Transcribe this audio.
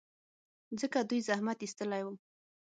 ځکه دوی زحمت ایستلی و.